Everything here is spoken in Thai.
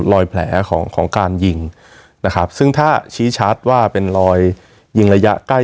รอยแผลของของการยิงนะครับซึ่งถ้าชี้ชัดว่าเป็นรอยยิงระยะใกล้